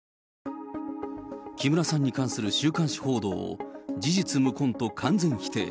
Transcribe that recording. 木村さんに関する週刊誌報道を、事実無根と完全否定。